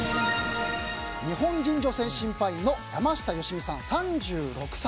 日本人女性審判員の山下良美さん、３６歳。